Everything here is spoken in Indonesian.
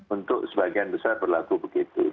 untuk sebagian besar berlaku begitu